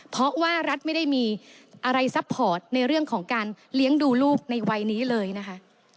เพราะว่ารัฐไม่ได้มีอะไรซัพพอร์ตในเรื่องของการเลี้ยงดูลูกในวัยนี้เลยนะคะ